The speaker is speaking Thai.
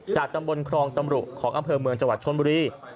จากตำบลครองตำรุของอำเภอเมืองจังหวัดชนบุรี